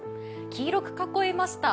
黄色く囲いました